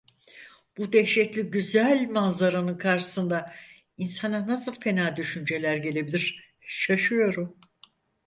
Bu dehşetli güzel manzaranın karşısında insana nasıl fena düşünceler gelebilir, şaşıyorum.